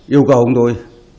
yêu cầu ông tôi